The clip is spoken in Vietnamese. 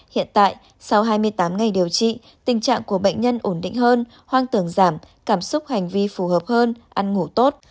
hiện tại sau hai mươi tám ngày điều trị tình trạng của bệnh nhân ổn định hơn hoang tưởng giảm cảm xúc hành vi phù hợp hơn ăn ngủ tốt